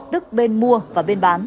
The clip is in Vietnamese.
tức bên mua và bên bán